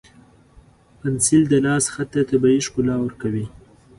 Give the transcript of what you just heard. پنسل د لاس خط ته طبیعي ښکلا ورکوي.